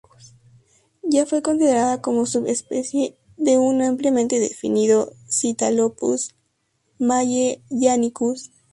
Ya fue considerada como subespecie de un ampliamente definido "Scytalopus magellanicus".